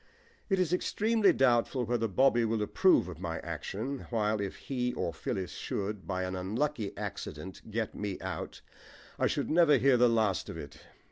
It is extremely doubtful whether Bobby will approve of my action, while if he or Phyllis should, by an unlucky accident, get me out, I should never hear the last of it.